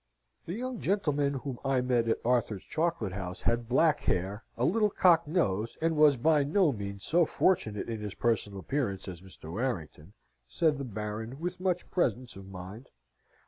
"The young gentleman whom I met at Arthur's Chocolate House had black hair, a little cocked nose, and was by no means so fortunate in his personal appearance as Mr. Warrington," said the Baron, with much presence of mind.